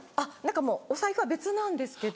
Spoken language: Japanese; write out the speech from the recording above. もうお財布は別なんですけど。